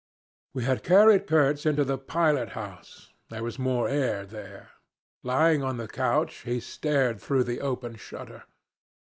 "We had carried Kurtz into the pilot house: there was more air there. Lying on the couch, he stared through the open shutter.